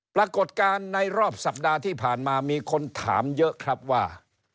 ปรากฏการณ์ในรอบสัปดาห์ที่ผ่านมามีคนถามเยอะครับว่า